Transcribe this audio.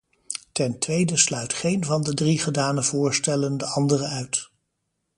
Ten tweede sluit geen van de drie gedane voorstellen de andere uit.